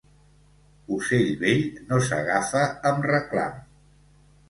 Ocell vell no s'agafa amb reclam.